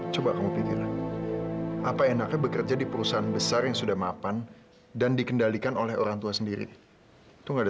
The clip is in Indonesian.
sampai jumpa di video selanjutnya